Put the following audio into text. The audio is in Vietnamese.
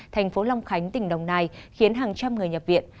thành phố long khánh tỉnh đồng nai khiến hàng trăm người nhập viện